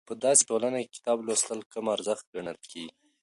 په دسې ټولنه کې کتاب لوستل کم ارزښت ګڼل کېږي.